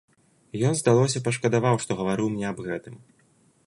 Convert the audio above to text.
Ён, здалося, пашкадаваў, што гаварыў мне аб гэтым.